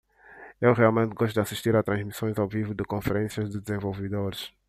Eu realmente gosto de assistir a transmissões ao vivo de conferências de desenvolvedores.